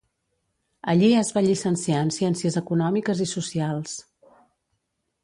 Allí es va llicenciar en Ciències Econòmiques i Socials.